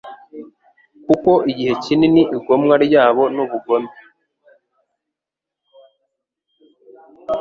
kuko igihe kinini igomwa ryabo n'ubugome